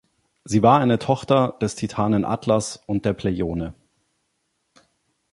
Sie war eine Tochter des Titanen Atlas und der Pleione.